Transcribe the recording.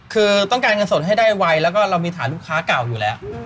คือต้องการเงินสดให้ได้ไวแล้วก็เรามีฐานลูกค้าเก่าอยู่แล้ว